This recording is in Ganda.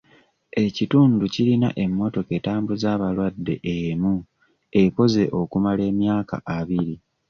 Ekitundu kirina emmotoka etambuza abalwadde emu ekoze okumala emyaka abiri.